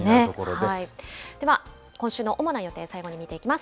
では、今週の主な予定、最後に見ていきます。